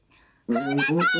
「ください。